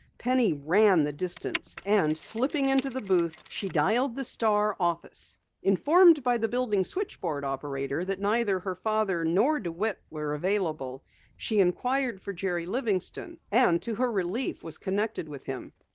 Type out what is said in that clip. Penny ran the distance, and slipping into the booth, she dialed the Star office. Informed by the building switchboard operator that neither her father nor DeWitt was available, she inquired for Jerry Livingston, and to her relief was connected with him.